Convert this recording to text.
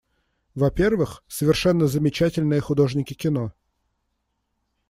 Во-первых, совершенно замечательные художники кино.